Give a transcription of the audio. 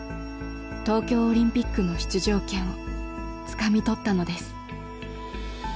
東京オリンピックの出場権をつかみ取ったのです。